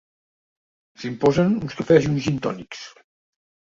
S'imposen uns cafès i uns gintònics.